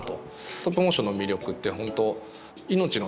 ストップモーションの魅力って本当命のないもの